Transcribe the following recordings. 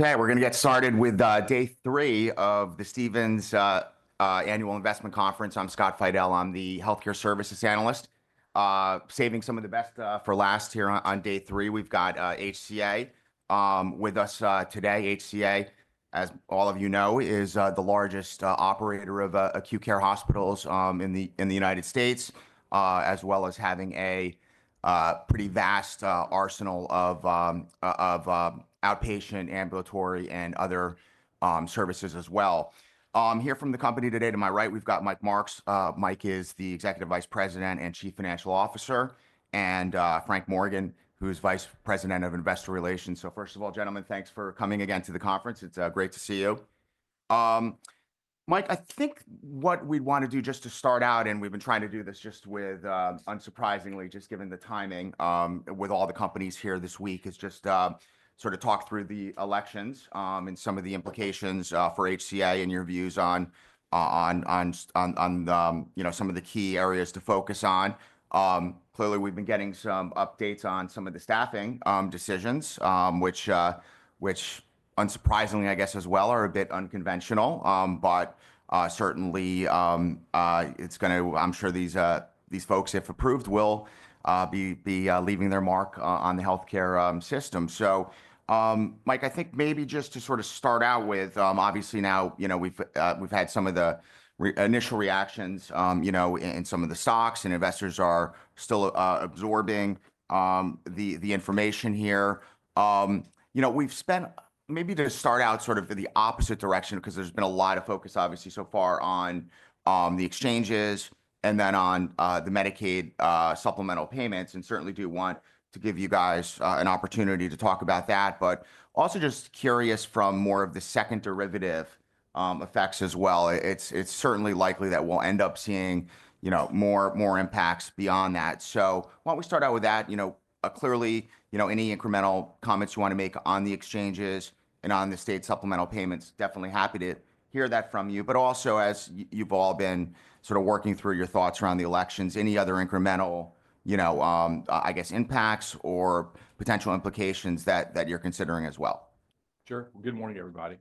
Okay, we're going to get started with day three of the Stephens annual investment conference. I'm Scott Fidel. I'm the Healthcare Services Analyst, saving some of the best for last here on day three. We've got HCA with us today. HCA, as all of you know, is the largest operator of acute care hospitals in the United States, as well as having a pretty vast arsenal of outpatient, ambulatory, and other services as well. Here from the company today, to my right, we've got Mike Marks. Mike is the Executive Vice President and Chief Financial Officer, and Frank Morgan, who's Vice President of Investor Relations. So, first of all, gentlemen, thanks for coming again to the conference. It's great to see you. Mike, I think what we'd want to do just to start out, and we've been trying to do this just with, unsurprisingly, just given the timing, with all the companies here this week, is just, sort of talk through the elections, and some of the implications, for HCA and your views on the, you know, some of the key areas to focus on. Clearly, we've been getting some updates on some of the staffing decisions, which, unsurprisingly, I guess, as well, are a bit unconventional, but certainly, it's going to, I'm sure these folks, if approved, will be leaving their mark on the healthcare system. So, Mike, I think maybe just to sort of start out with, obviously now, you know, we've had some of the initial reactions, you know, in some of the stocks, and investors are still absorbing the information here. You know, we've spent, maybe to start out sort of the opposite direction, because there's been a lot of focus, obviously, so far on the exchanges, and then on the Medicaid supplemental payments, and certainly do want to give you guys an opportunity to talk about that, but also just curious from more of the second derivative effects as well. It's certainly likely that we'll end up seeing, you know, more impacts beyond that. So, why don't we start out with that? You know, clearly, you know, any incremental comments you want to make on the exchanges and on the state supplemental payments, definitely happy to hear that from you, but also, as you've all been sort of working through your thoughts around the elections, any other incremental, you know, I guess, impacts or potential implications that you're considering as well. Sure. Well, good morning, everybody.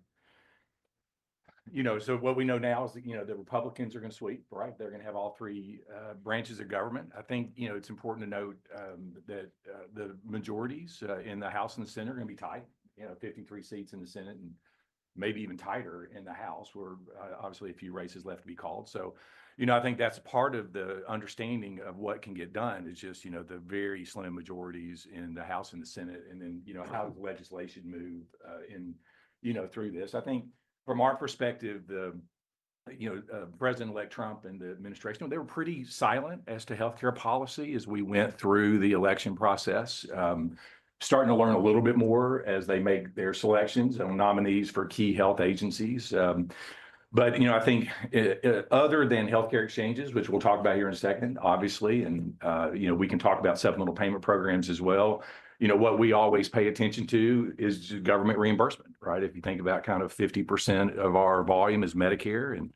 You know, so what we know now is, you know, the Republicans are going to sweep, right? They're going to have all three branches of government. I think, you know, it's important to note that the majorities in the House and the Senate are going to be tight, you know, 53 seats in the senate and maybe even tighter in the House, where, obviously, a few races left to be called. So, you know, I think that's part of the understanding of what can get done is just, you know, the very slim majorities in the House and the Senate, and then, you know, how does the legislation move in, you know, through this. I think, from our perspective, the, you know, President-elect Trump and the administration, they were pretty silent as to healthcare policy as we went through the election process, starting to learn a little bit more as they make their selections and nominees for key health agencies. But, you know, I think, other than healthcare exchanges, which we'll talk about here in a second, obviously, and, you know, we can talk about supplemental payment programs as well, you know, what we always pay attention to is government reimbursement, right? If you think about kind of 50% of our volume is Medicare and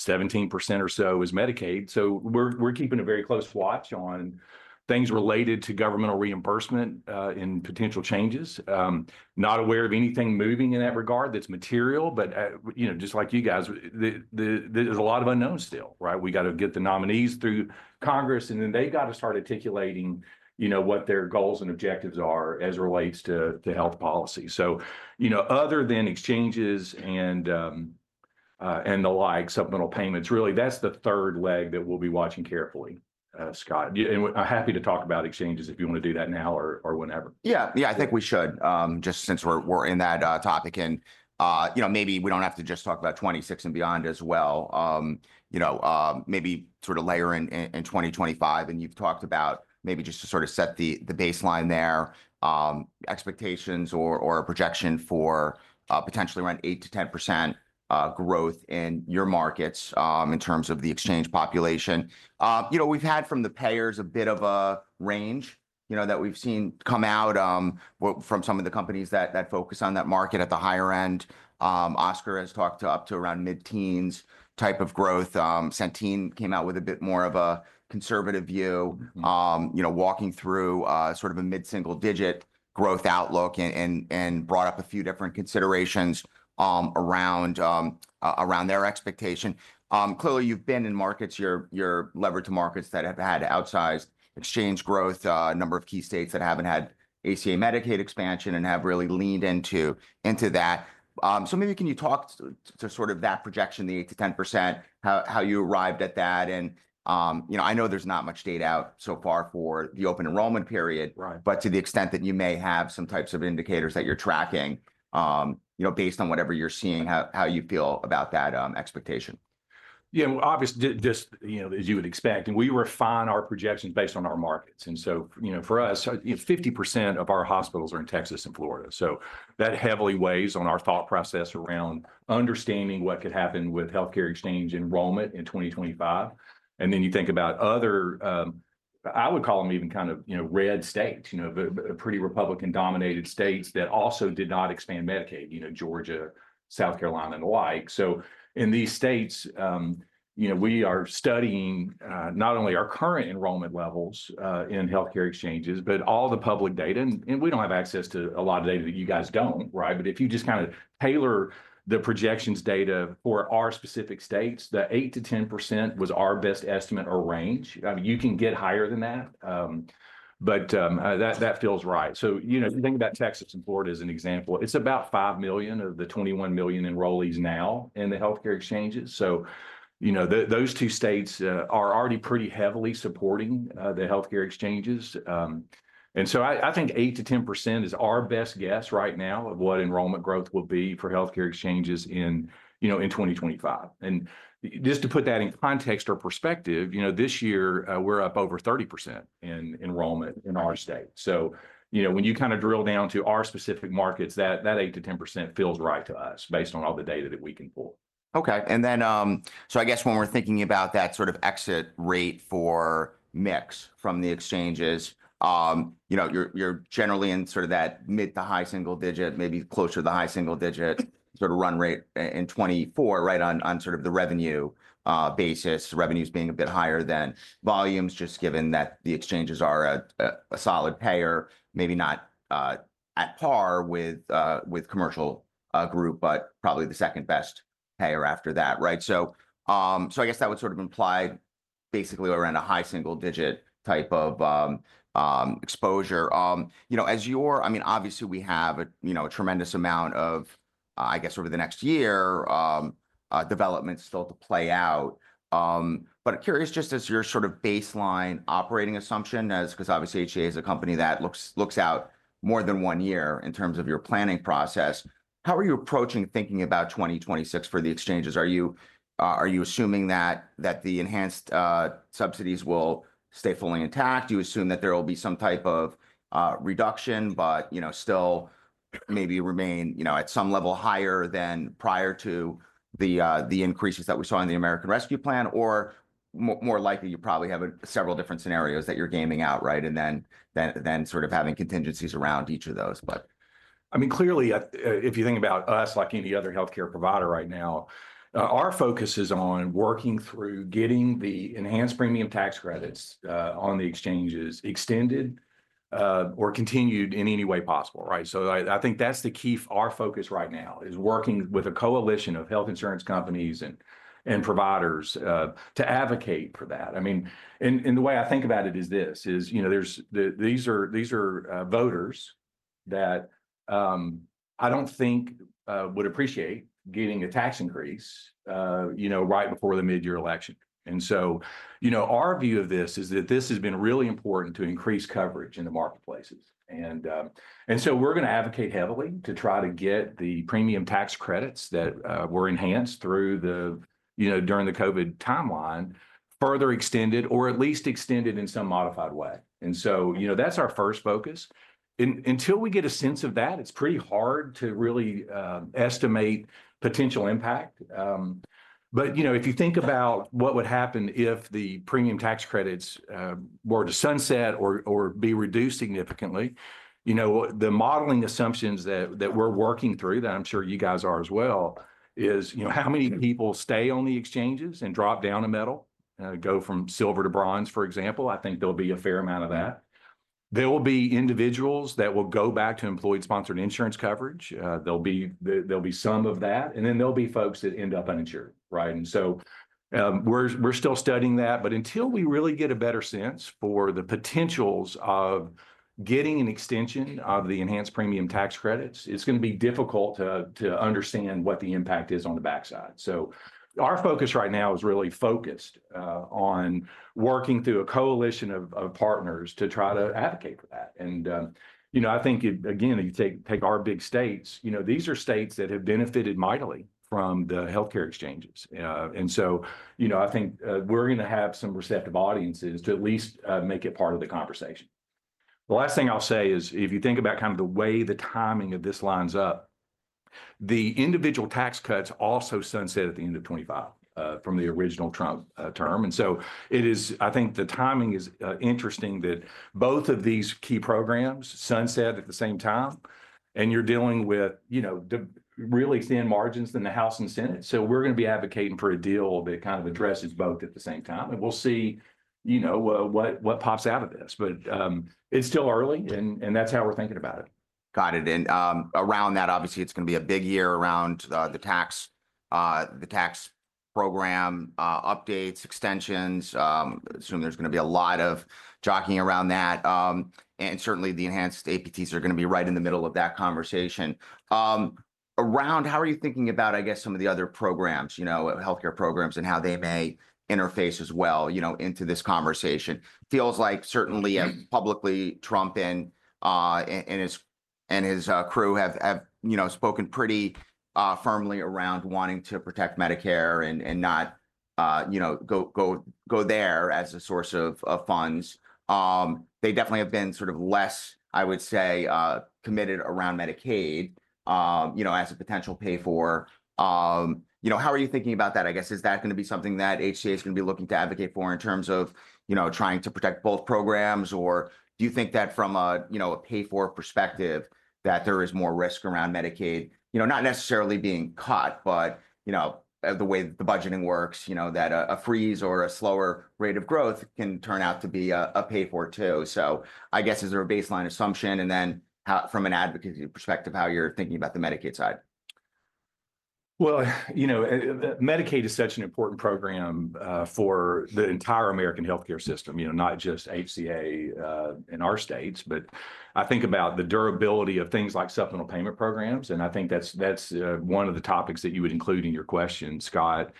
17% or so is Medicaid. So we're keeping a very close watch on things related to governmental reimbursement, in potential changes. Not aware of anything moving in that regard that's material, but, you know, just like you guys, the, there's a lot of unknowns still, right? We got to get the nominees through congress, and then they've got to start articulating, you know, what their goals and objectives are as it relates to health policy. So, you know, other than exchanges and the like, supplemental payments, really, that's the third leg that we'll be watching carefully, Scott. And I'm happy to talk about exchanges if you want to do that now or whenever. Yeah, yeah, I think we should, just since we're in that topic, and, you know, maybe we don't have to just talk about 26 and beyond as well. You know, maybe sort of layer in 2025, and you've talked about maybe just to sort of set the baseline there, expectations or a projection for, potentially around 8%-10% growth in your markets, in terms of the exchange population. You know, we've had from the payers a bit of a range, you know, that we've seen come out, from some of the companies that focus on that market at the higher end. Oscar has talked to up to around mid-teens type of growth. Centene came out with a bit more of a conservative view, you know, walking through sort of a mid-single-digit growth outlook and brought up a few different considerations around their expectation. Clearly, you've been in markets, your leverage to markets that have had outsized exchange growth, a number of key states that haven't had ACA Medicaid expansion and have really leaned into that. So maybe can you talk to sort of that projection, the 8%-10%, how you arrived at that? And, you know, I know there's not much data out so far for the open enrollment period, but to the extent that you may have some types of indicators that you're tracking, you know, based on whatever you're seeing, how you feel about that expectation? Yeah, obviously just, you know, as you would expect, and we refine our projections based on our markets, and so, you know, for us, you know, 50% of our hospitals are in Texas and Florida, so that heavily weighs on our thought process around understanding what could happen with healthcare exchange enrollment in 2025, and then you think about other, I would call them even kind of, you know, red states, you know, pretty Republican-dominated states that also did not expand Medicaid, you know, Georgia, South Carolina, and the like, so in these states, you know, we are studying, not only our current enrollment levels, in healthcare exchanges, but all the public data, and we don't have access to a lot of data that you guys don't, right? But if you just kind of tailor the projections data for our specific states, the 8%-10% was our best estimate or range. I mean, you can get higher than that, but that feels right. So, you know, if you think about Texas and Florida as an example, it's about 5 million of the 21 million enrollees now in the healthcare exchanges. So, you know, those two states are already pretty heavily supporting the healthcare exchanges. And so I think 8%-10% is our best guess right now of what enrollment growth will be for healthcare exchanges in, you know, in 2025. And just to put that in context or perspective, you know, this year, we're up over 30% in enrollment in our state. So, you know, when you kind of drill down to our specific markets, that, that 8%-10% feels right to us based on all the data that we can pull. Okay. And then, so I guess when we're thinking about that sort of exit rate for mix from the exchanges, you know, you're generally in sort of that mid to high single digit, maybe closer to the high single digit sort of run rate in 2024, right? On sort of the revenue basis, revenues being a bit higher than volumes, just given that the exchanges are a solid payer, maybe not at par with commercial group, but probably the second best payer after that, right? So I guess that would sort of imply basically around a high single digit type of exposure. You know, as your, I mean, obviously we have a, you know, a tremendous amount of, I guess over the next year, developments still to play out. But curious just as your sort of baseline operating assumption as, because obviously HCA is a company that looks out more than one year in terms of your planning process. How are you approaching thinking about 2026 for the exchanges? Are you assuming that the enhanced subsidies will stay fully intact? Do you assume that there will be some type of reduction, but you know, still maybe remain, you know, at some level higher than prior to the increases that we saw in the American Rescue Plan? Or more likely, you probably have several different scenarios that you're gaming out, right? And then sort of having contingencies around each of those. But I mean, clearly, if you think about us, like any other healthcare provider right now, our focus is on working through getting the enhanced premium tax credits, on the exchanges extended, or continued in any way possible, right? So I think that's the key. Our focus right now is working with a coalition of health insurance companies and providers, to advocate for that. I mean, and the way I think about it is this is, you know, these are voters that, I don't think, would appreciate getting a tax increase, you know, right before the mid-year election. And so, you know, our view of this is that this has been really important to increase coverage in the marketplaces. So we're going to advocate heavily to try to get the Premium Tax Credits that were enhanced through the, you know, during the COVID timeline, further extended, or at least extended in some modified way. You know, that's our first focus. Until we get a sense of that, it's pretty hard to really estimate potential impact. But you know, if you think about what would happen if the Premium Tax Credits were to sunset or be reduced significantly, you know, the modeling assumptions that we're working through, that I'm sure you guys are as well, is you know, how many people stay on the exchanges and drop down a metal and go from silver to bronze, for example? I think there'll be a fair amount of that. There will be individuals that will go back to employee-sponsored insurance coverage. There'll be, there'll be some of that, and then there'll be folks that end up uninsured, right? And so, we're, we're still studying that, but until we really get a better sense for the potentials of getting an extension of the enhanced Premium Tax Credits, it's going to be difficult to, to understand what the impact is on the backside. So our focus right now is really focused on working through a coalition of, of partners to try to advocate for that. And, you know, I think again, you take, take our big states, you know, these are states that have benefited mightily from the healthcare exchanges. And so, you know, I think, we're going to have some receptive audiences to at least make it part of the conversation. The last thing I'll say is, if you think about kind of the way the timing of this lines up, the individual tax cuts also sunset at the end of 2025, from the original Trump term. And so it is, I think the timing is interesting that both of these key programs sunset at the same time, and you're dealing with, you know, the really thin margins in the House and Senate. So we're going to be advocating for a deal that kind of addresses both at the same time. And we'll see, you know, what pops out of this, but it's still early, and that's how we're thinking about it. Got it. And around that, obviously, it's going to be a big year around the tax, the tax program, updates, extensions. I assume there's going to be a lot of jockeying around that. And certainly the enhanced APTs are going to be right in the middle of that conversation around how are you thinking about, I guess, some of the other programs, you know, healthcare programs and how they may interface as well, you know, into this conversation? Feels like certainly publicly Trump and his crew have you know spoken pretty firmly around wanting to protect Medicare and not you know go there as a source of funds. They definitely have been sort of less, I would say, committed around Medicaid, you know, as a potential pay-for. You know, how are you thinking about that? I guess, is that going to be something that HCA is going to be looking to advocate for in terms of, you know, trying to protect both programs? Or do you think that from a, you know, a pay-for perspective, that there is more risk around Medicaid, you know, not necessarily being cut, but, you know, the way the budgeting works, you know, that a freeze or a slower rate of growth can turn out to be a, a pay-for too? So I guess is there a baseline assumption and then how, from an advocacy perspective, how you're thinking about the Medicaid side? Well, you know, Medicaid is such an important program for the entire American healthcare system, you know, not just HCA in our states, but I think about the durability of things like supplemental payment programs. And I think that's one of the topics that you would include in your question, Scott.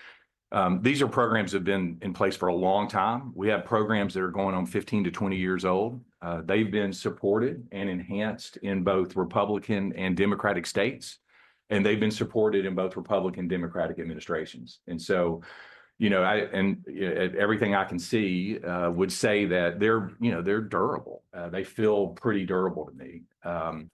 These are programs that have been in place for a long time. We have programs that are going on 15-20 years old. They've been supported and enhanced in both republican and democratic states, and they've been supported in both republican and democratic administrations. And so, you know, I and everything I can see would say that they're, you know, they're durable. They feel pretty durable to me. And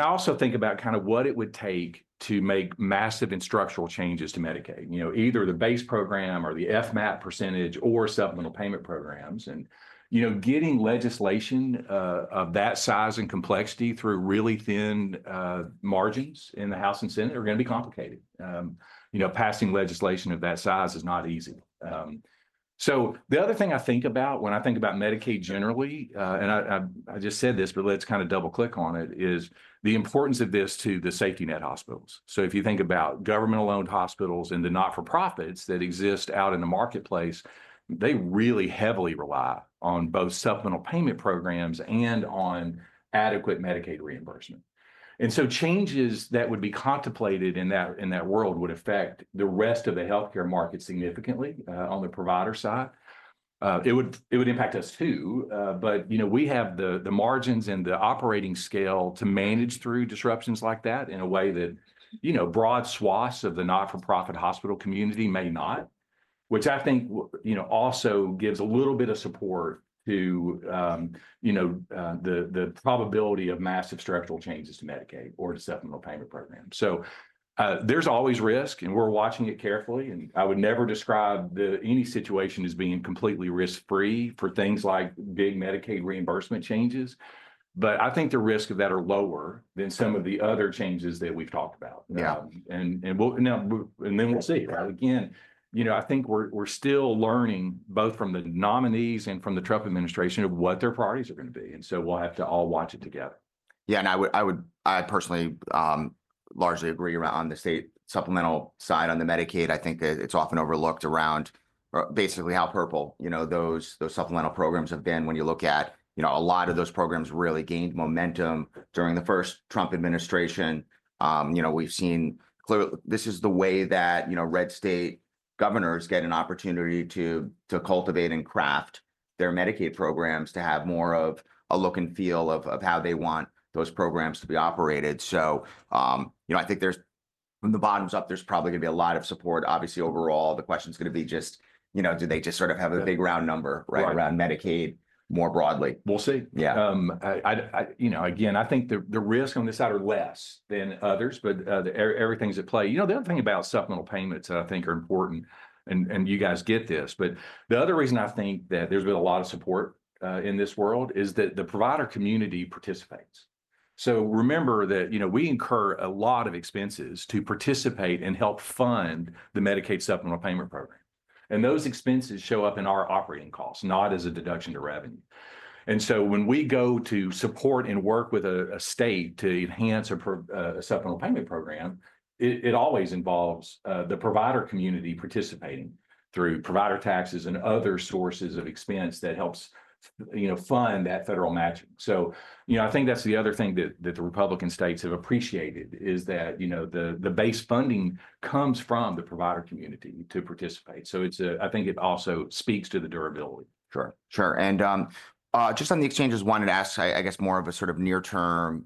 I also think about kind of what it would take to make massive structural changes to Medicaid, you know, either the base program or the FMAP percentage or supplemental payment programs. And, you know, getting legislation of that size and complexity through really thin margins in the House and Senate is going to be complicated. You know, passing legislation of that size is not easy. The other thing I think about when I think about Medicaid generally, and I just said this, but let's kind of double-click on it, is the importance of this to the safety net hospitals. So if you think about government-owned hospitals and the not-for-profits that exist out in the marketplace, they really heavily rely on both supplemental payment programs and on adequate Medicaid reimbursement. And so changes that would be contemplated in that, in that world would affect the rest of the healthcare market significantly, on the provider side. It would, it would impact us too. But, you know, we have the, the margins and the operating scale to manage through disruptions like that in a way that, you know, broad swaths of the not-for-profit hospital community may not, which I think, you know, also gives a little bit of support to, you know, the, the probability of massive structural changes to Medicaid or to supplemental payment programs. So, there's always risk, and we're watching it carefully, and I would never describe any situation as being completely risk-free for things like big Medicaid reimbursement changes. But I think the risk of that are lower than some of the other changes that we've talked about. And then we'll see, right? Again, you know, I think we're still learning both from the nominees and from the Trump administration of what their priorities are going to be, and so we'll have to all watch it together. Yeah. And I would, I personally largely agree on the state supplemental side on the Medicaid. I think that it's often overlooked, or basically how purple, you know, those supplemental programs have been when you look at, you know, a lot of those programs really gained momentum during the first Trump administration. You know, we've seen clearly this is the way that, you know, red state governors get an opportunity to cultivate and craft their Medicaid programs to have more of a look and feel of how they want those programs to be operated. So, you know, I think there's, from the bottom up, there's probably going to be a lot of support. Obviously, overall, the question's going to be just, you know, do they just sort of have a big round number, right, around Medicaid more broadly? We'll see. Yeah. I, you know, again, I think the risk on this side are less than others, but everything's at play. You know, the other thing about supplemental payments I think are important, and you guys get this, but the other reason I think that there's been a lot of support in this world is that the provider community participates. So remember that, you know, we incur a lot of expenses to participate and help fund the Medicaid supplemental payment program, and those expenses show up in our operating costs, not as a deduction to revenue, and so when we go to support and work with a state to enhance a supplemental payment program, it always involves the provider community participating through provider taxes and other sources of expense that helps, you know, fund that federal matching. So, you know, I think that's the other thing that the republican states have appreciated is that, you know, the base funding comes from the provider community to participate. So it's, I think it also speaks to the durability. Sure. Sure. And just on the exchanges, I wanted to ask, I guess, more of a sort of near-term,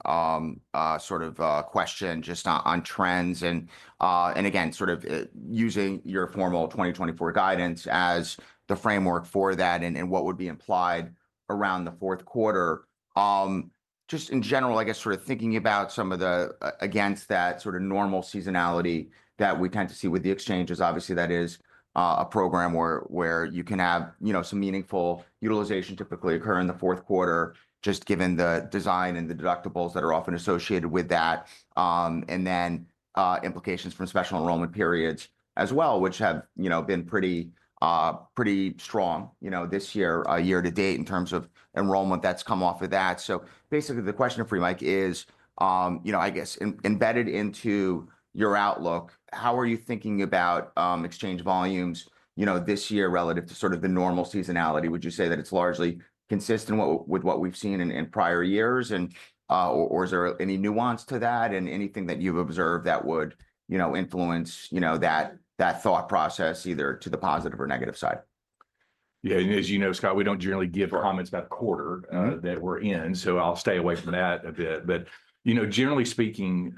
sort of, question just on trends and again sort of using your formal 2024 guidance as the framework for that and what would be implied around the Q4. Just in general, I guess, sort of thinking about some of the against that sort of normal seasonality that we tend to see with the exchanges, obviously that is a program where you can have, you know, some meaningful utilization typically occur in the Q4, just given the design and the deductibles that are often associated with that. And then implications from special enrollment periods as well, which have, you know, been pretty, pretty strong, you know, this year year to date in terms of enrollment that's come off of that. So basically the question for you, Mike, is, you know, I guess embedded into your outlook, how are you thinking about exchange volumes, you know, this year relative to sort of the normal seasonality? Would you say that it's largely consistent with what we've seen in prior years? And, or, is there any nuance to that and anything that you've observed that would, you know, influence that thought process either to the positive or negative side? Yeah. And as you know, Scott, we don't generally give comments about a quarter that we're in. So I'll stay away from that a bit. But you know, generally speaking,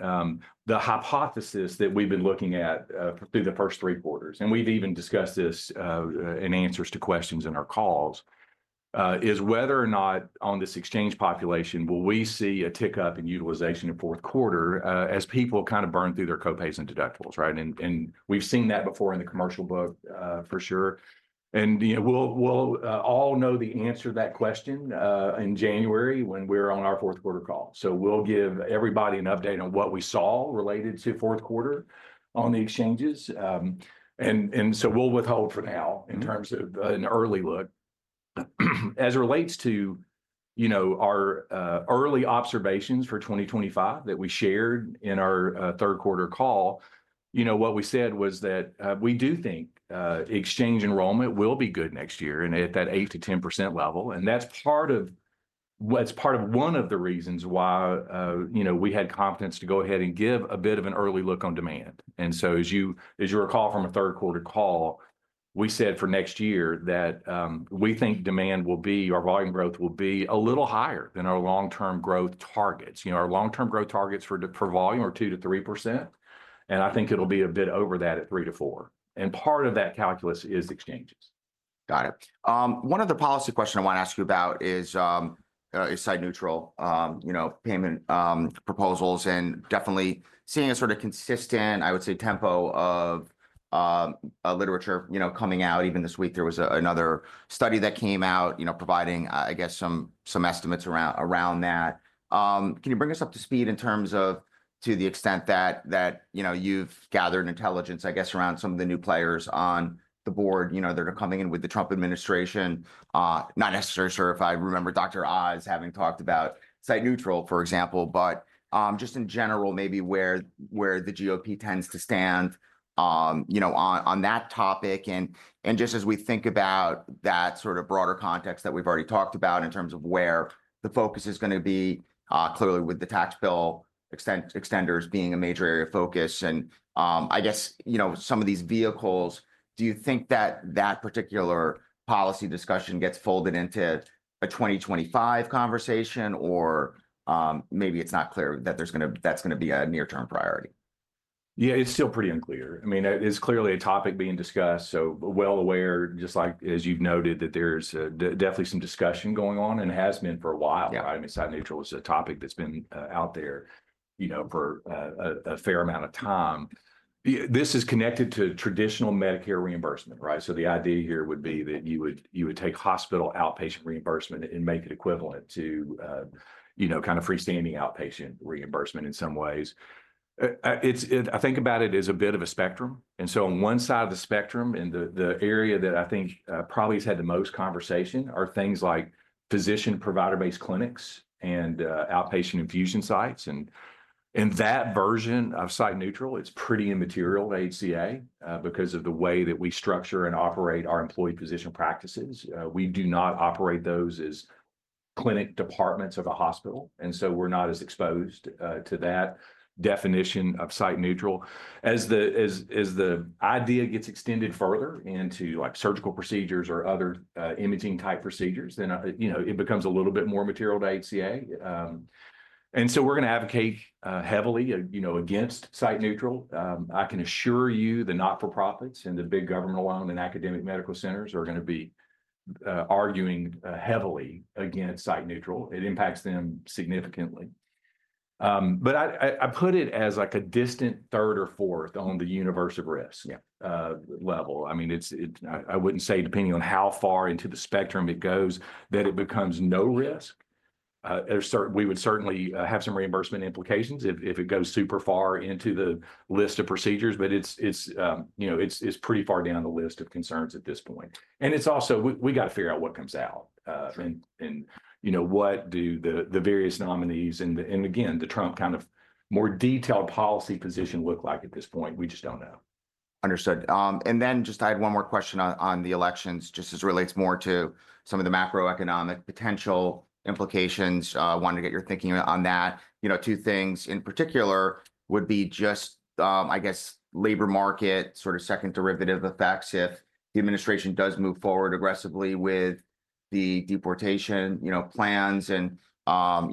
the hypothesis that we've been looking at through the first three quarters, and we've even discussed this in answers to questions in our calls, is whether or not on this exchange population, will we see a tick up in utilization in Q4, as people kind of burn through their copays and deductibles, right? And we've seen that before in the commercial book, for sure. And you know, we'll all know the answer to that question in January when we're on our Q4 call. So we'll give everybody an update on what we saw related to Q4 on the exchanges. And so we'll withhold for now in terms of an early look as it relates to, you know, our early observations for 2025 that we shared in our Q3 call. You know, what we said was that we do think exchange enrollment will be good next year and at that 8%-10% level. And that's part of one of the reasons why, you know, we had confidence to go ahead and give a bit of an early look on demand. And so, as you recall from a Q3 call, we said for next year that we think demand will be. Our volume growth will be a little higher than our long-term growth targets. You know, our long-term growth targets for volume are 2%-3%. And I think it'll be a bit over that at 3%-4%. Part of that calculus is exchanges. Got it. One other policy question I want to ask you about is site neutral payment proposals, and definitely seeing a sort of consistent, I would say, tempo of literature, you know, coming out. Even this week, there was another study that came out, you know, providing, I guess, some estimates around that. Can you bring us up to speed in terms of, to the extent that, you know, you've gathered intelligence, I guess, around some of the new players on the board, you know, that are coming in with the Trump administration, not necessarily sure if I remember Dr. Oz having talked about site neutral, for example, but just in general, maybe where the GOP tends to stand, you know, on that topic. Just as we think about that sort of broader context that we've already talked about in terms of where the focus is going to be, clearly with the tax bill extenders being a major area of focus. I guess, you know, some of these vehicles, do you think that particular policy discussion gets folded into a 2025 conversation or maybe it's not clear that that's going to be a near-term priority? Yeah, it's still pretty unclear. I mean, it is clearly a topic being discussed. So well aware, just like as you've noted, that there's definitely some discussion going on and has been for a while. I mean, site neutral is a topic that's been out there, you know, for a fair amount of time. This is connected to traditional Medicare reimbursement, right? So the idea here would be that you would take hospital outpatient reimbursement and make it equivalent to, you know, kind of freestanding outpatient reimbursement in some ways. It's. I think about it as a bit of a spectrum. And so on one side of the spectrum and the area that I think probably has had the most conversation are things like physician provider-based clinics and outpatient infusion sites. And that version of site neutral, it's pretty immaterial to HCA, because of the way that we structure and operate our employee physician practices. We do not operate those as clinic departments of a hospital. And so we're not as exposed to that definition of site neutral as the idea gets extended further into like surgical procedures or other imaging type procedures. Then you know it becomes a little bit more material to HCA. And so we're going to advocate heavily you know against site neutral. I can assure you the not-for-profits and the big government loan and academic medical centers are going to be arguing heavily against site neutral. It impacts them significantly. But I put it as like a distant third or fourth on the universe of risk level. I mean, I wouldn't say depending on how far into the spectrum it goes that it becomes no risk. There's certain we would certainly have some reimbursement implications if it goes super far into the list of procedures, but it's, you know, pretty far down the list of concerns at this point. And it's also, we got to figure out what comes out, and, you know, what do the various nominees and, again, the Trump kind of more detailed policy position look like at this point? We just don't know. Understood, and then just I had one more question on the elections just as it relates more to some of the macroeconomic potential implications. Wanted to get your thinking on that. You know, two things in particular would be just, I guess, labor market sort of second derivative effects if the administration does move forward aggressively with the deportation, you know, plans and,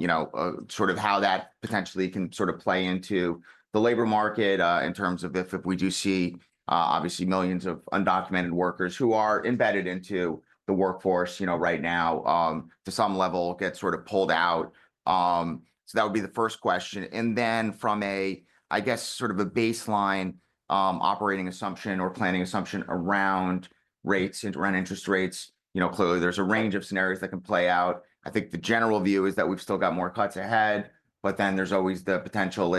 you know, sort of how that potentially can sort of play into the labor market, in terms of if we do see, obviously millions of undocumented workers who are embedded into the workforce, you know, right now, to some level get sort of pulled out, so that would be the first question. And then from a, I guess, sort of a baseline, operating assumption or planning assumption around rates and rent interest rates, you know, clearly there's a range of scenarios that can play out. I think the general view is that we've still got more cuts ahead, but then there's always the potential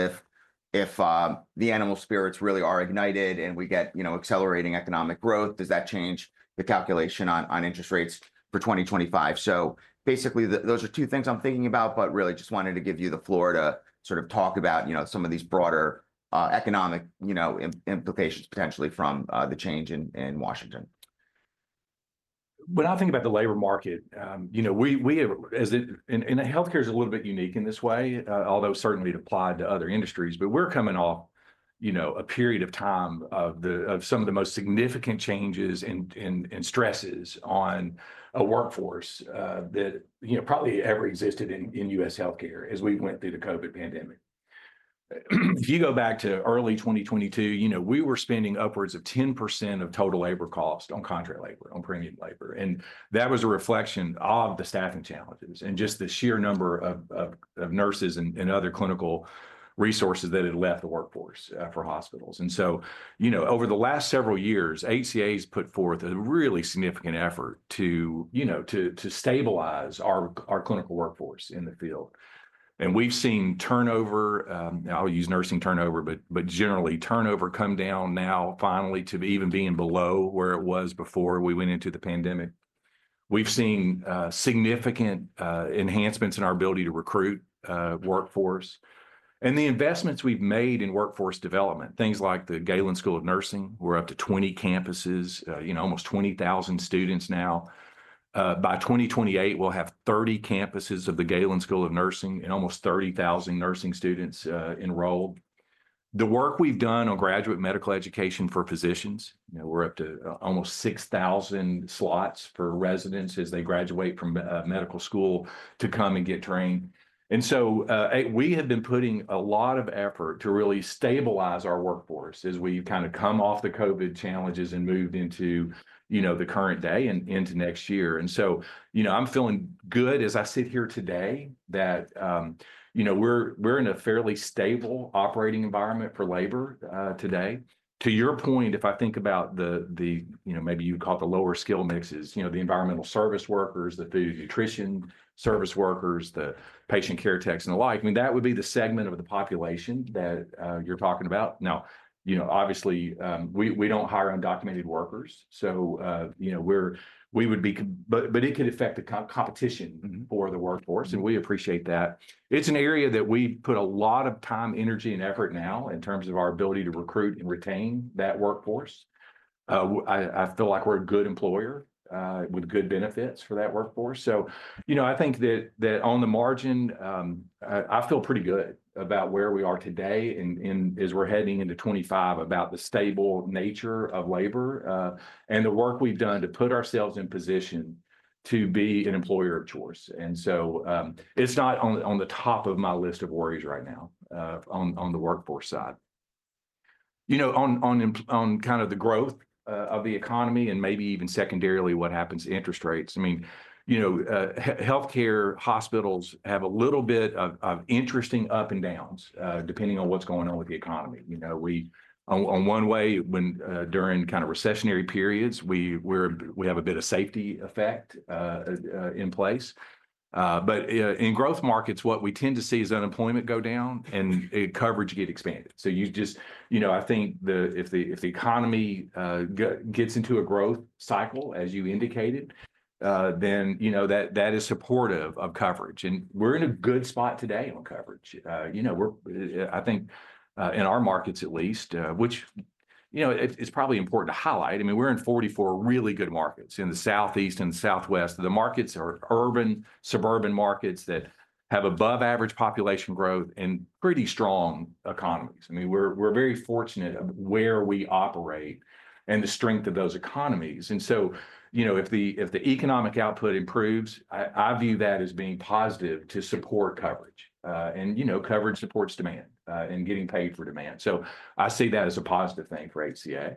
if the animal spirits really are ignited and we get, you know, accelerating economic growth. Does that change the calculation on interest rates for 2025? So basically those are two things I'm thinking about, but really just wanted to give you the floor to sort of talk about, you know, some of these broader economic, you know, implications potentially from the change in Washington. When I think about the labor market, you know, we as in healthcare is a little bit unique in this way, although certainly it applied to other industries, but we're coming off, you know, a period of time of some of the most significant changes and stresses on a workforce that you know probably ever existed in U.S. healthcare as we went through the COVID pandemic. If you go back to early 2022, you know, we were spending upwards of 10% of total labor cost on contract labor, on premium labor. And that was a reflection of the staffing challenges and just the sheer number of nurses and other clinical resources that had left the workforce for hospitals. And so, you know, over the last several years, HCA has put forth a really significant effort to, you know, to stabilize our clinical workforce in the field. And we've seen turnover. I'll use nursing turnover, but generally turnover come down now finally to even being below where it was before we went into the pandemic. We've seen significant enhancements in our ability to recruit workforce and the investments we've made in workforce development, things like the Galen School of Nursing. We're up to 20 campuses, you know, almost 20,000 students now. By 2028, we'll have 30 campuses of the Galen School of Nursing and almost 30,000 nursing students enrolled. The work we've done on graduate medical education for physicians, you know, we're up to almost 6,000 slots for residents as they graduate from medical school to come and get trained. And so, we have been putting a lot of effort to really stabilize our workforce as we've kind of come off the COVID challenges and moved into, you know, the current day and into next year. And so, you know, I'm feeling good as I sit here today that, you know, we're in a fairly stable operating environment for labor today. To your point, if I think about the you know, maybe you'd call it the lower skill mixes, you know, the environmental service workers, the food nutrition service workers, the patient care techs and the like, I mean, that would be the segment of the population that you're talking about. Now, you know, obviously, we don't hire undocumented workers. So, you know, we would be, but it could affect the competition for the workforce. And we appreciate that. It's an area that we've put a lot of time, energy, and effort now in terms of our ability to recruit and retain that workforce. I feel like we're a good employer, with good benefits for that workforce, so you know, I think that on the margin, I feel pretty good about where we are today and as we're heading into 2025 about the stable nature of labor, and the work we've done to put ourselves in position to be an employer of choice, and so, it's not on the top of my list of worries right now, on the workforce side, you know, on kind of the growth of the economy and maybe even secondarily what happens to interest rates. I mean, you know, healthcare hospitals have a little bit of interesting ups and downs, depending on what's going on with the economy. You know, we, on one hand, during kind of recessionary periods, we have a bit of safety effect in place. But in growth markets, what we tend to see is unemployment go down and coverage get expanded. So you just, you know, I think if the economy gets into a growth cycle as you indicated, then, you know, that is supportive of coverage. And we're in a good spot today on coverage. You know, we're, I think, in our markets at least, which, you know, it's probably important to highlight. I mean, we're in 44 really good markets in the southeast and the southwest. The markets are urban, sub-urban markets that have above average population growth and pretty strong economies. I mean, we're very fortunate of where we operate and the strength of those economies. And so, you know, if the economic output improves, I view that as being positive to support coverage, and, you know, coverage supports demand, and getting paid for demand, so I see that as a positive thing for HCA.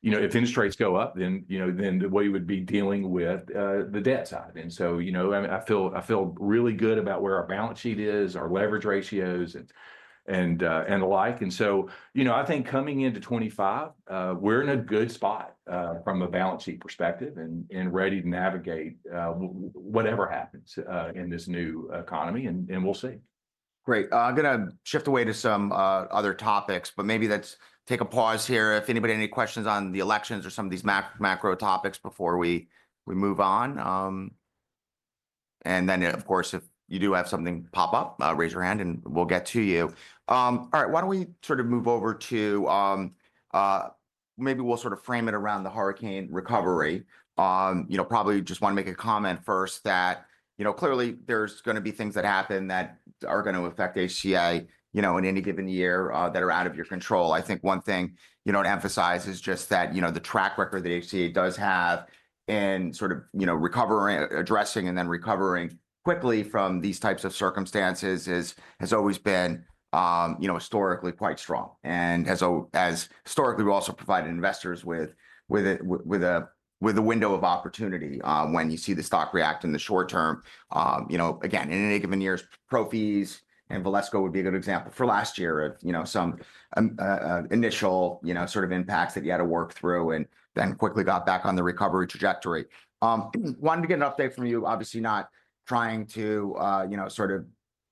You know, if interest rates go up, then we would be dealing with the debt side, and so, you know, I mean, I feel really good about where our balance sheet is, our leverage ratios and the like. And so, you know, I think coming into 2025, we're in a good spot, from a balance sheet perspective and ready to navigate, whatever happens, in this new economy and we'll see. Great. I'm going to shift away to some other topics, but maybe let's take a pause here. If anybody had any questions on the elections or some of these macro topics before we move on. And then of course, if you do have something pop up, raise your hand and we'll get to you. All right. Why don't we sort of move over to, maybe we'll sort of frame it around the hurricane recovery. You know, probably just want to make a comment first that, you know, clearly there's going to be things that happen that are going to affect HCA, you know, in any given year, that are out of your control. I think one thing you don't emphasize is just that, you know, the track record that HCA does have in sort of, you know, recovering, addressing and then recovering quickly from these types of circumstances is, has always been, you know, historically quite strong and has, as historically we also provided investors with a window of opportunity, when you see the stock react in the short term. You know, again, in any given years, pro fees and Valesco would be a good example for last year of, you know, some initial, you know, sort of impacts that you had to work through and then quickly got back on the recovery trajectory. Wanted to get an update from you, obviously not trying to, you know, sort of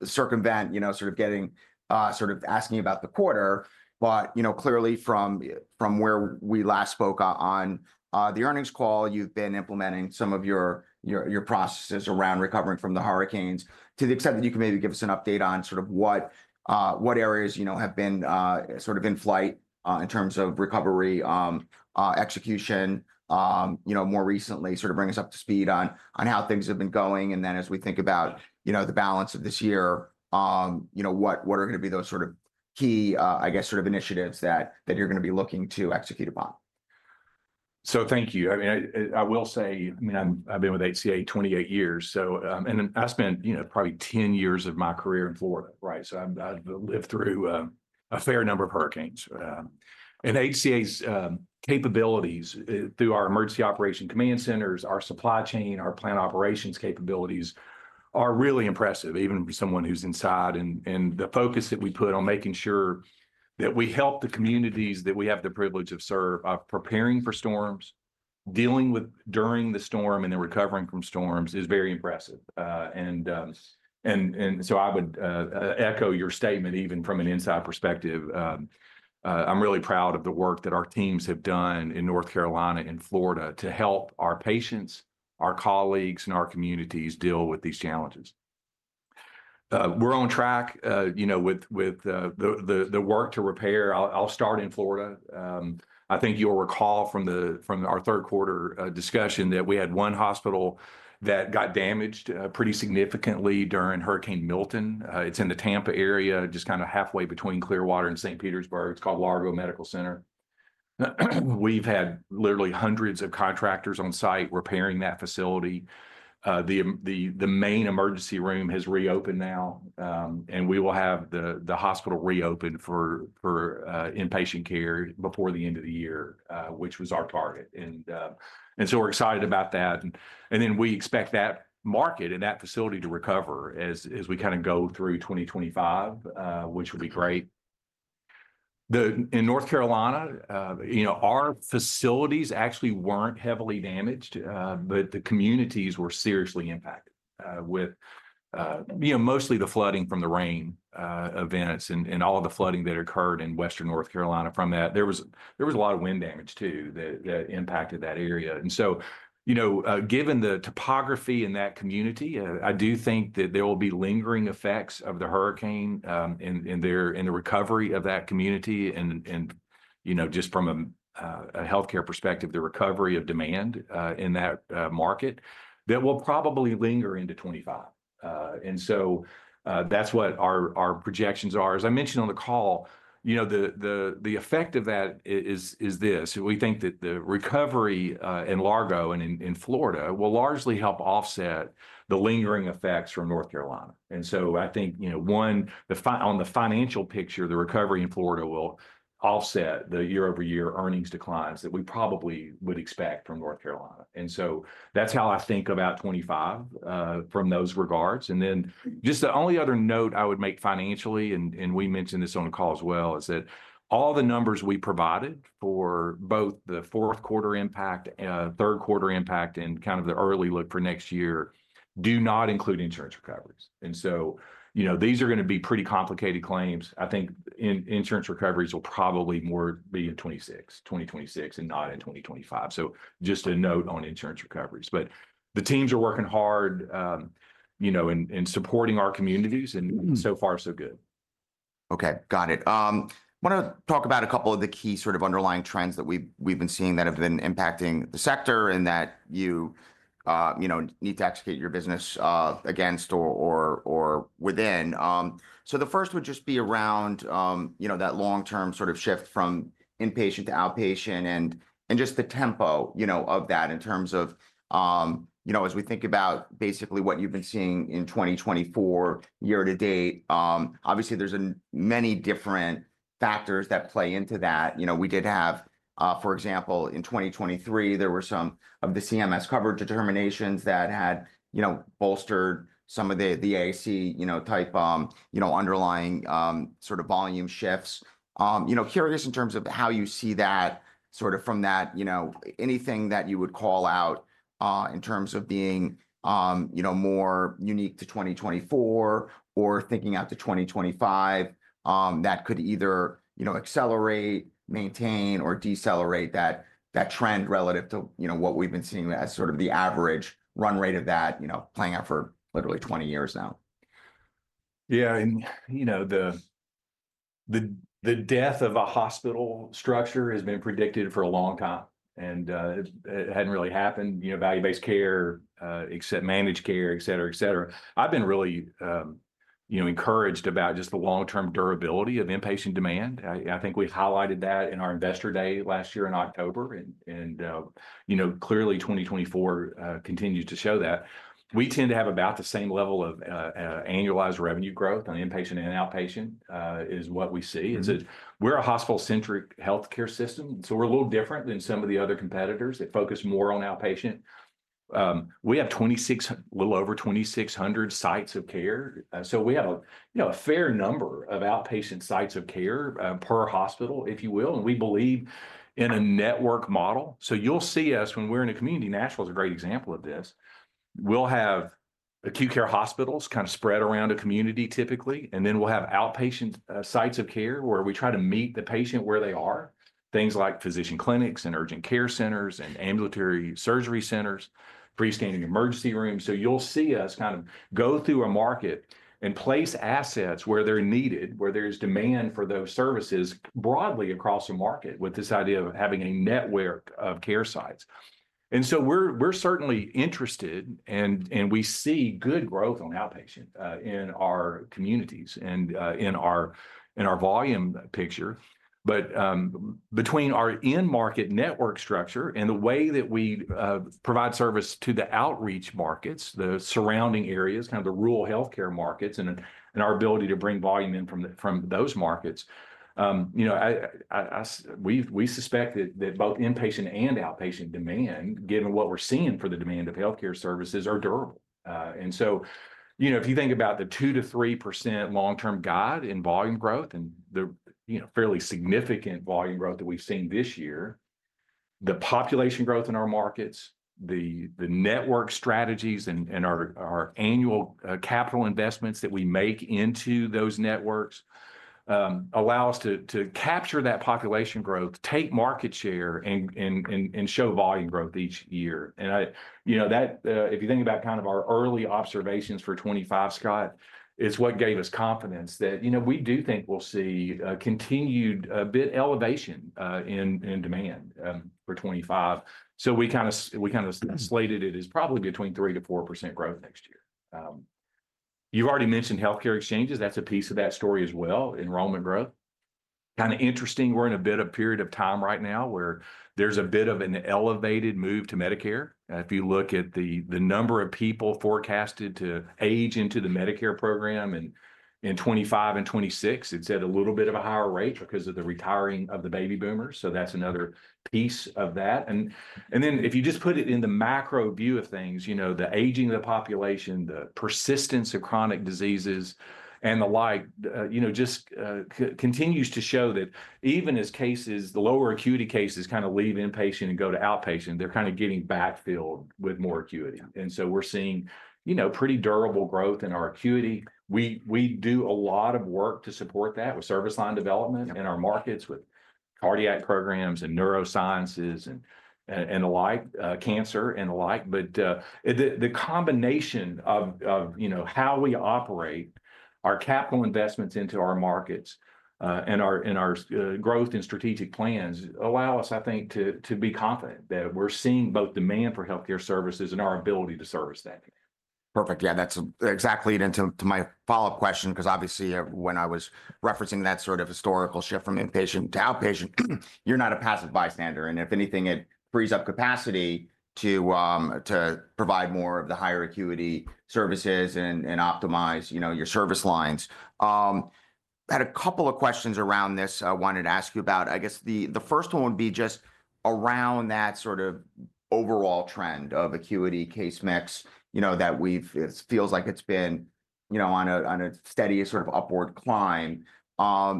circumvent, you know, sort of getting, sort of asking about the quarter, but, you know, clearly from where we last spoke on the earnings call, you've been implementing some of your processes around recovering from the hurricanes to the extent that you can maybe give us an update on sort of what areas, you know, have been, sort of in flight, in terms of recovery, execution, you know, more recently, sort of bring us up to speed on how things have been going. And then as we think about, you know, the balance of this year, you know, what are going to be those sort of key, I guess sort of initiatives that you're going to be looking to execute upon. So thank you. I mean, I will say, I mean, I've been with HCA 28 years. So, and then I spent, you know, probably 10 years of my career in Florida, right? So I've lived through a fair number of hurricanes. And HCA's capabilities through our emergency operation command centers, our supply chain, our plant operations capabilities are really impressive, even for someone who's inside. And the focus that we put on making sure that we help the communities that we have the privilege of serving, of preparing for storms, dealing with during the storm and then recovering from storms is very impressive. And so I would echo your statement even from an inside perspective. I'm really proud of the work that our teams have done in North Carolina and Florida to help our patients, our colleagues, and our communities deal with these challenges. We're on track, you know, with the work to repair. I'll start in Florida. I think you'll recall from our Q3 discussion that we had one hospital that got damaged pretty significantly during Hurricane Milton. It's in the Tampa area, just kind of halfway between Clearwater and St. Petersburg. It's called Largo Medical Center. We've had literally hundreds of contractors on site repairing that facility. The main emergency room has reopened now. And we will have the hospital reopen for inpatient care before the end of the year, which was our target. Then we expect that market and that facility to recover as we kind of go through 2025, which will be great. In North Carolina, you know, our facilities actually weren't heavily damaged, but the communities were seriously impacted, with you know, mostly the flooding from the rain events and all the flooding that occurred in Western North Carolina from that. There was a lot of wind damage too that impacted that area. And so, you know, given the topography in that community, I do think that there will be lingering effects of the hurricane in there in the recovery of that community and, you know, just from a healthcare perspective, the recovery of demand in that market that will probably linger into 2025. And so, that's what our projections are. As I mentioned on the call, you know, the effect of that is this. We think that the recovery in Largo and in Florida will largely help offset the lingering effects from North Carolina, and so I think, you know, on the financial picture, the recovery in Florida will offset the year-over-year earnings declines that we probably would expect from North Carolina, and so that's how I think about 2025 from those regards. Then just the only other note I would make financially, and we mentioned this on the call as well, is that all the numbers we provided for both the Q4 impact, Q3 impact, and kind of the early look for next year do not include insurance recoveries, and so, you know, these are going to be pretty complicated claims. I think insurance recoveries will probably more be in 2026 and not in 2025. Just a note on insurance recoveries, but the teams are working hard, you know, in supporting our communities and so far so good. Okay. Got it. Want to talk about a couple of the key sort of underlying trends that we've been seeing that have been impacting the sector and that you know need to execute your business against or within, so the first would just be around, you know, that long-term sort of shift from inpatient to outpatient and just the tempo, you know, of that in terms of, you know, as we think about basically what you've been seeing in 2024 year to date. Obviously there's many different factors that play into that. You know, we did have, for example, in 2023, there were some of the CMS coverage determinations that had, you know, bolstered some of the, the ASC, you know, type, you know, underlying, sort of volume shifts. You know, curious in terms of how you see that sort of from that, you know, anything that you would call out, in terms of being, you know, more unique to 2024 or thinking out to 2025, that could either, you know, accelerate, maintain, or decelerate that, that trend relative to, you know, what we've been seeing as sort of the average run rate of that, you know, playing out for literally 20 years now. Yeah, and you know, the death of a hospital structure has been predicted for a long time and it hadn't really happened, you know, value-based care, except managed care, et cetera, et cetera. I've been really, you know, encouraged about just the long-term durability of inpatient demand. I think we highlighted that in our investor day last year in October and you know, clearly 2024 continues to show that we tend to have about the same level of annualized revenue growth on inpatient and outpatient, is what we see is that we're a hospital-centric healthcare system. So we're a little different than some of the other competitors that focus more on outpatient. We have 26, a little over 2,600 sites of care. So we have a, you know, a fair number of outpatient sites of care, per hospital, if you will. We believe in a network model. You'll see us when we're in a community. Nashville is a great example of this. We'll have acute care hospitals kind of spread around a community typically. We'll have outpatient sites of care where we try to meet the patient where they are, things like physician clinics and urgent care centers and ambulatory surgery centers, freestanding emergency rooms. You'll see us kind of go through a market and place assets where they're needed, where there's demand for those services broadly across the market with this idea of having a network of care sites. We're certainly interested and we see good growth on outpatient in our communities and in our volume picture. But between our in-market network structure and the way that we provide service to the outreach markets, the surrounding areas, kind of the rural healthcare markets and our ability to bring volume in from those markets. You know, we suspect that both inpatient and outpatient demand, given what we're seeing for the demand of healthcare services, are durable. So you know, if you think about the 2%-3% long-term guide in volume growth and the, you know, fairly significant volume growth that we've seen this year, the population growth in our markets, the network strategies and our annual capital investments that we make into those networks allow us to capture that population growth, take market share and show volume growth each year. You know, if you think about kind of our early observations for 2025, Scott, it's what gave us confidence that, you know, we do think we'll see a continued bit of elevation in demand for 2025. So we kind of slated it as probably between 3%-4% growth next year. You've already mentioned healthcare exchanges. That's a piece of that story as well. Enrollment growth, kind of interesting. We're in a bit of a period of time right now where there's a bit of an elevated move to Medicare. If you look at the number of people forecasted to age into the Medicare program in 2025 and 2026, it's at a little bit of a higher rate because of the retiring of the baby boomers. So that's another piece of that. And then, if you just put it in the macro view of things, you know, the aging of the population, the persistence of chronic diseases and the like, you know, just continues to show that even as cases, the lower acuity cases kind of leave inpatient and go to outpatient, they're kind of getting backfilled with more acuity. And so we're seeing, you know, pretty durable growth in our acuity. We do a lot of work to support that with service line development in our markets with cardiac programs and neurosciences and the like, cancer and the like. But the combination of how we operate, our capital investments into our markets, and our growth and strategic plans allow us, I think, to be confident that we're seeing both demand for healthcare services and our ability to service that. Perfect. Yeah. That's exactly it into my follow-up question. 'Cause obviously when I was referencing that sort of historical shift from inpatient to outpatient, you're not a passive bystander. And if anything, it frees up capacity to, to provide more of the higher acuity services and, and optimize, you know, your service lines. Had a couple of questions around this. I wanted to ask you about, I guess the, the first one would be just around that sort of overall trend of acuity case mix, you know, that we've, it feels like it's been, you know, on a, on a steady sort of upward climb.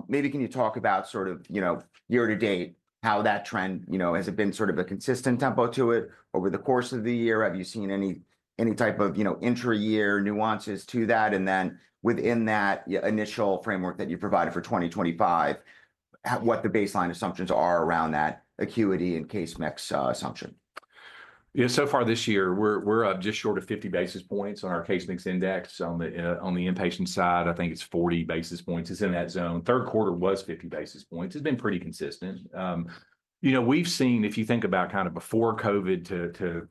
Maybe can you talk about sort of, you know, year to date, how that trend, you know, has it been sort of a consistent tempo to it over the course of the year? Have you seen any type of, you know, intra-year nuances to that? And then within that initial framework that you provided for 2025, what the baseline assumptions are around that acuity and case mix assumption? Yeah. So far this year, we're up just short of 50 basis points on our Case Mix Index. On the inpatient side, I think it's 40 basis points. It's in that zone. Q3 was 50 basis points. It's been pretty consistent. You know, we've seen, if you think about kind of before COVID to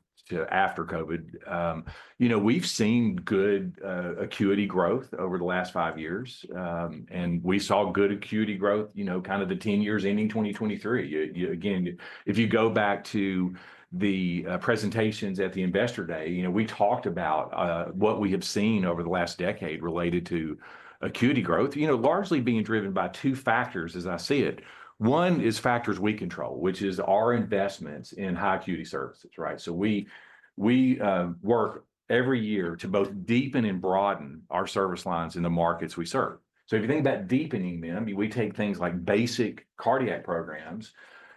after COVID, you know, we've seen good acuity growth over the last five years. And we saw good acuity growth, you know, kind of the 10 years ending 2023. You again, if you go back to the presentations at the investor day, you know, we talked about what we have seen over the last decade related to acuity growth, you know, largely being driven by two factors as I see it. One is factors we control, which is our investments in high acuity services, right? So we work every year to both deepen and broaden our service lines in the markets we serve. So if you think about deepening them, we take things like basic cardiac programs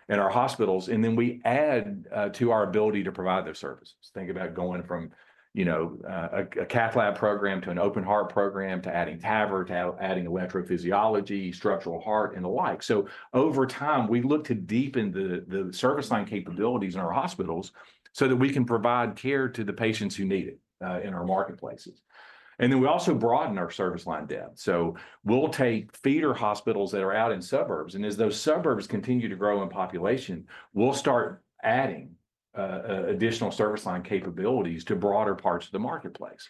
in our hospitals and then we add to our ability to provide those services. Think about going from, you know, a cath lab program to an open heart program to adding TAVR to adding electrophysiology, structural heart and the like. So over time we look to deepen the service line capabilities in our hospitals so that we can provide care to the patients who need it in our marketplaces. And then we also broaden our service line depth. So we'll take feeder hospitals that are out in suburbs and as those suburbs continue to grow in population, we'll start adding additional service line capabilities to broader parts of the marketplace.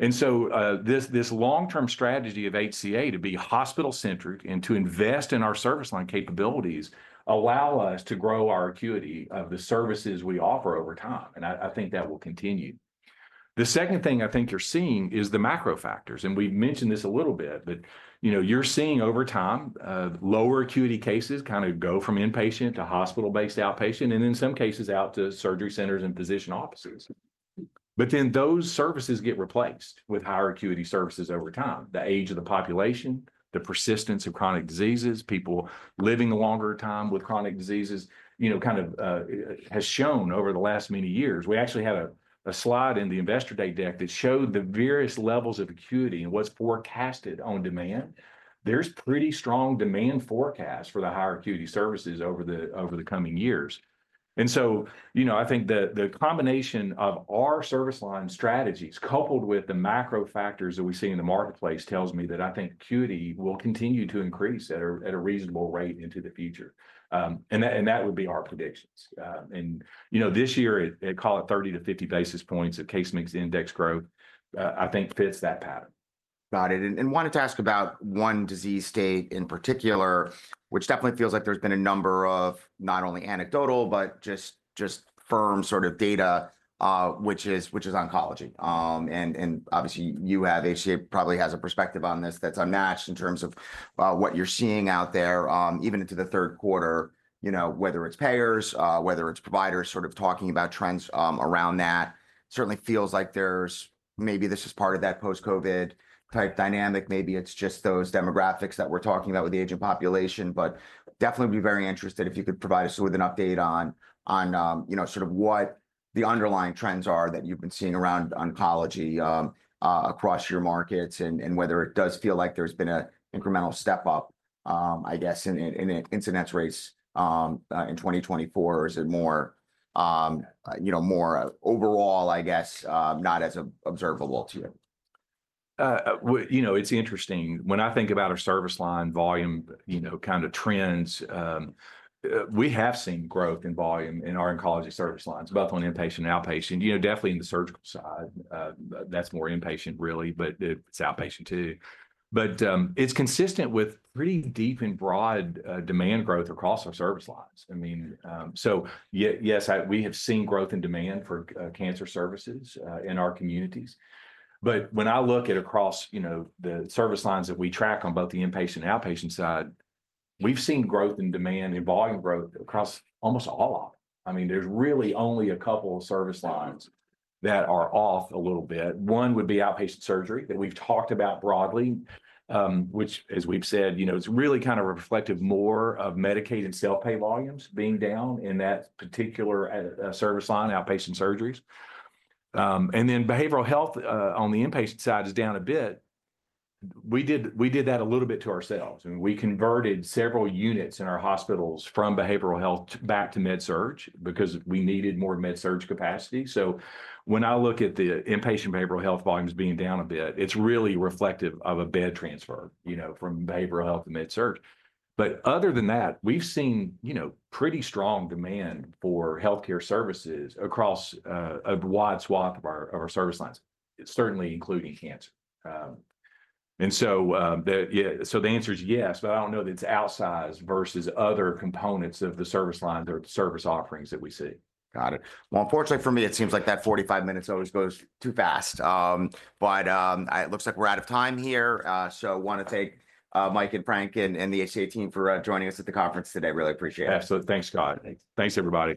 And so, this long-term strategy of HCA to be hospital centric and to invest in our service line capabilities allow us to grow our acuity of the services we offer over time. And I think that will continue. The second thing I think you're seeing is the macro factors. And we've mentioned this a little bit, but you know, you're seeing over time, lower acuity cases kind of go from inpatient to hospital-based outpatient and in some cases out to surgery centers and physician offices. But then those services get replaced with higher acuity services over time. The age of the population, the persistence of chronic diseases, people living a longer time with chronic diseases, you know, kind of, has shown over the last many years. We actually had a slide in the investor day deck that showed the various levels of acuity and what's forecasted on demand. There's pretty strong demand forecasts for the higher acuity services over the coming years. And so, you know, I think the combination of our service line strategies coupled with the macro factors that we see in the marketplace tells me that I think acuity will continue to increase at a reasonable rate into the future. And that would be our predictions. And you know, this year it call it 30-50 basis points of case mix index growth, I think fits that pattern. Got it. And wanted to ask about one disease state in particular, which definitely feels like there's been a number of not only anecdotal, but just firm sort of data, which is oncology. And obviously you have HCA probably has a perspective on this that's unmatched in terms of what you're seeing out there, even into the Q3, you know, whether it's payers, whether it's providers sort of talking about trends around that certainly feels like there's maybe this is part of that post-COVID type dynamic. Maybe it's just those demographics that we're talking about with the aging population, but definitely be very interested if you could provide us with an update on, you know, sort of what the underlying trends are that you've been seeing around oncology, across your markets and whether it does feel like there's been an incremental step up, I guess in incidence rates, in 2024 or is it more, you know, more overall, I guess, not as observable to you? Well, you know, it's interesting when I think about our service line volume, you know, kind of trends. We have seen growth in volume in our oncology service lines, both on inpatient and outpatient. You know, definitely in the surgical side, that's more inpatient really, but it's outpatient too. But it's consistent with pretty deep and broad demand growth across our service lines. I mean, so yes, we have seen growth in demand for cancer services in our communities. But when I look across, you know, the service lines that we track on both the inpatient and outpatient side, we've seen growth in demand and volume growth across almost all of them. I mean, there's really only a couple of service lines that are off a little bit. One would be outpatient surgery that we've talked about broadly, which as we've said, you know, it's really kind of reflective more of Medicaid and self-pay volumes being down in that particular service line, outpatient surgeries, and then behavioral health on the inpatient side is down a bit. We did that a little bit to ourselves and we converted several units in our hospitals from behavioral health back to Med-Surg because we needed more Med-Surg capacity. So when I look at the inpatient behavioral health volumes being down a bit, it's really reflective of a bed transfer, you know, from behavioral health to Med-Surg. But other than that, we've seen, you know, pretty strong demand for healthcare services across a wide swath of our service lines, certainly including cancer. Yeah, so the answer is yes, but I don't know that it's outsized versus other components of the service lines or service offerings that we see. Got it. Unfortunately for me, it seems like that 45 minutes always goes too fast, but it looks like we're out of time here. I wanna thank Mike and Frank and the HCA team for joining us at the conference today. Really appreciate it. Absolutely. Thanks, Scott. Thanks everybody.